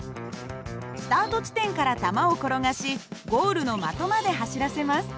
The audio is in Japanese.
スタート地点から玉を転がしゴールの的まで走らせます。